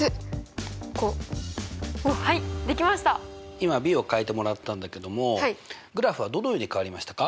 今ｂを変えてもらったんだけどもグラフはどのように変わりましたか？